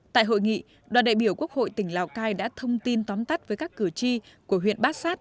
tại hội nghị đoàn đại biểu quốc hội tỉnh lào cai đã thông tin tóm tắt với các cử tri của huyện bát sát